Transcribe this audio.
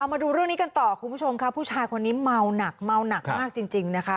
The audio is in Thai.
มาดูเรื่องนี้กันต่อคุณผู้ชมค่ะผู้ชายคนนี้เมาหนักเมาหนักมากจริงนะคะ